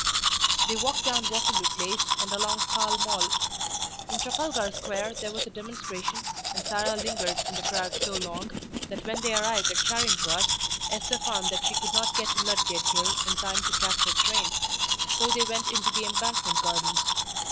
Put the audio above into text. They walked down Waterloo Place and along Pall Mall. In Trafalgar Square there was a demonstration, and Sarah lingered in the crowd so long that when they arrived at Charing Cross, Esther found that she could not get to Ludgate Hill in time to catch her train, so they went into the Embankment Gardens.